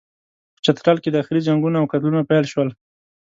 په چترال کې داخلي جنګونه او قتلونه پیل شول.